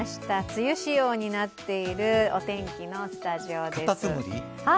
梅雨仕様になっているお天気のスタジオです。